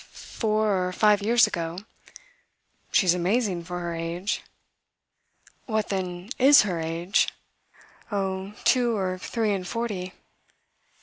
four or five years ago. She's amazing for her age." "What then is her age?" "Oh two or three and forty."